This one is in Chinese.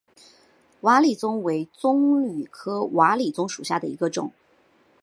瓦理棕为棕榈科瓦理棕属下的一个种。